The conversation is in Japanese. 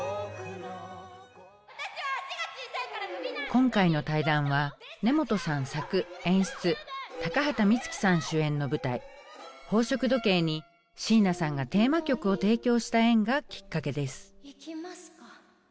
今回の対談は根本さん作・演出高畑充希さん主演の舞台「宝飾時計」に椎名さんがテーマ曲を提供した縁がきっかけです。